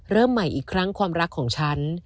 เริ่มใหม่อีกครั้งความรักของฉัน